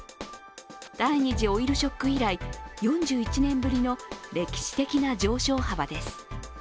第２次オイルショック以来４１年ぶりの歴史的な上昇幅です。